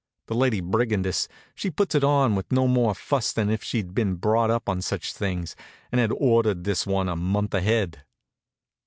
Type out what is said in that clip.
The Lady Brigandess she puts it on with no more fuss than as if she'd been brought up on such things and had ordered this one a month ahead.